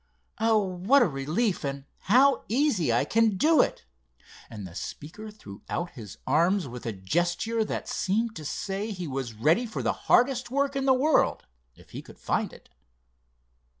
Oh, what a relief! and how easy I can do it," and the speaker threw out his arms with a gesture that seemed to say he was ready for the hardest work in the world if he could find it.